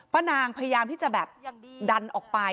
ป้านางพยายามที่จะดันออกไป